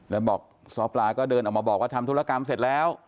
แล้วบอกซ้อปลาก็เดินออกมาบอกว่าทำธุรกรรมเสร็จแล้ว